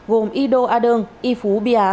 gồm ydo a đơn y phú bi á